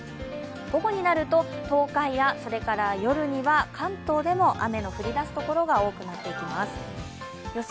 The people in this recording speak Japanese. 午後になると東海や、夜には関東でも雨の降りだすところが多くなってきます予想